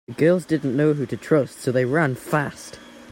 The girls didn’t know who to trust so they ran fast.